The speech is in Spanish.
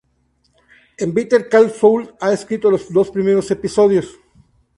En "Better Call Saul", ha escrito los dos primeros episodios.